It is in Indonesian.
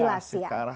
secara silas ya